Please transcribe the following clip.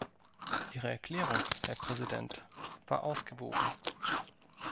Ihre Erklärung, Herr Präsident, war ausgewogen.